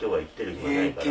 暇ないから。